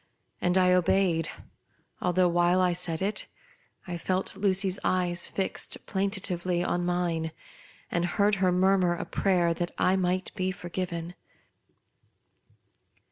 And I obeyed, although, while I said it, I felt Lucy's eyes fixed plaintively on mine, and heard her mur mur a prayer that I might be forgiven.